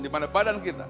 dimana badan kita